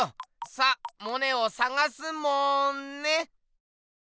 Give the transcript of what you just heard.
さモネをさがすモんネ！